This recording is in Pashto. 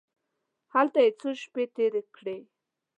هلته یې څو شپې تېرې کړې.